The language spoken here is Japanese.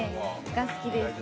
が好きです。